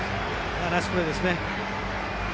ナイスプレーですね。